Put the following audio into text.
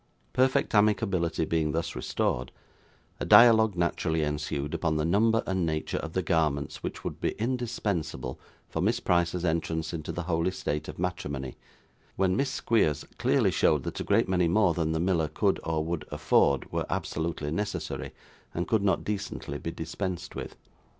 Perfect amicability being thus restored, a dialogue naturally ensued upon the number and nature of the garments which would be indispensable for Miss Price's entrance into the holy state of matrimony, when Miss Squeers clearly showed that a great many more than the miller could, or would, afford, were absolutely necessary, and could not decently be dispensed with.